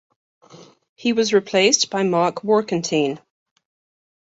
He was replaced by Mark Warkentien.